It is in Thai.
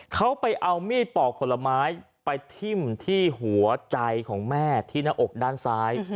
เขาไปเอามีดปอกผลไม้ไปทิ้มที่หัวใจของแม่ที่หน้าอกด้านซ้าย